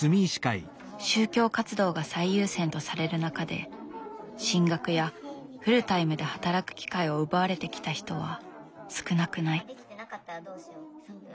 宗教活動が最優先とされる中で進学やフルタイムで働く機会を奪われてきた人は少なくない。